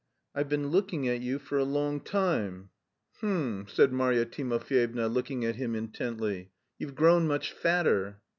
"I've been looking at you for a long time." "H'm!" said Marya Timofyevna, looking at him intently. "You've grown much fatter."